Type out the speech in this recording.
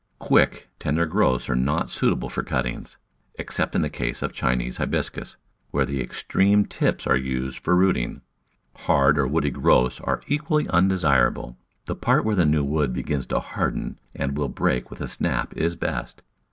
Quick, tender growths are not suitable for cuttings, except in the case of the Chinese Hibiscus, where the extreme tips are used for rooting; hard or woody growths are equally undesirable. The part where the new wood begins to harden and will break with a snap is best.